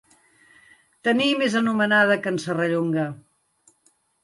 Tenir més anomenada que en Serrallonga.